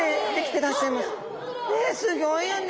ねっすギョいよね！